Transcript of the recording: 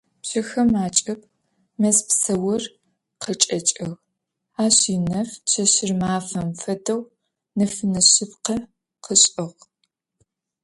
Пщэхэм акӏыб мэз псаур къычӏэкӏыгъ, ащ инэф чэщыр мафэм фэдэу нэфынэ шъыпкъэ къышӏыгъ.